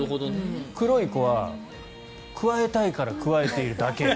黒い子は、くわえたいからくわえているだけ。